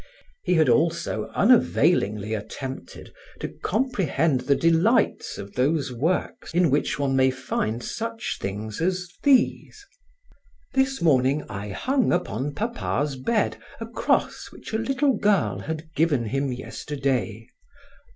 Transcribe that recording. He had also unavailingly attempted to comprehend the delights of those works in which one may find such things as these: This morning I hung on papa's bed a cross which a little girl had given him yesterday.